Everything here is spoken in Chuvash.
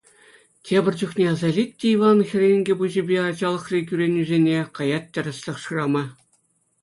Тепӗр чухне аса илет те Иван хӗрӗнкӗ пуҫӗпе ачалӑхри кӳренӳсене, каять тӗрӗслӗх шырама.